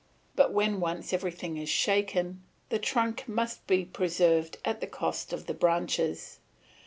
But when once everything is shaken, the trunk must be preserved at the cost of the branches.